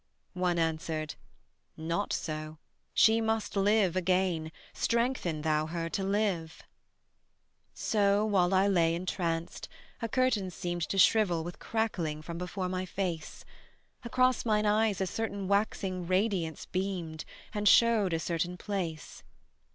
One answered: "Not so: she must live again; Strengthen thou her to live." So, while I lay entranced, a curtain seemed To shrivel with crackling from before my face, Across mine eyes a waxing radiance beamed And showed a certain place.